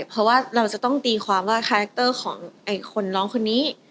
เพราะว่าเราจะต้องตีความว่าคาแรคเตอร์ของคนน้องคนนี้